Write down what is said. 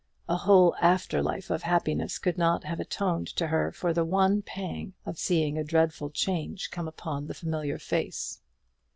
A whole after life of happiness could not have atoned to her for the one pang of seeing a dreadful change come upon the familiar face.